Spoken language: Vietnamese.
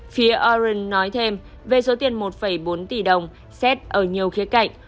phía oren nói thêm về số tiền một bốn tỷ đồng xét ở nhiều khía cạnh